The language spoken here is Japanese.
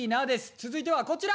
続いてはこちら。